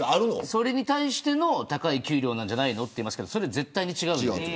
それに対しての高い給料なんじゃないかという人もいるけどそれは絶対に違う。